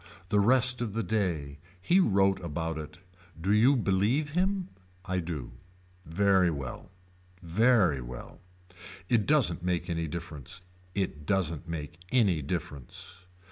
The rest of the day. He wrote about it. Do you believe him. I do. Very well. Very well. It doesn't make any difference. It doesn't make any difference.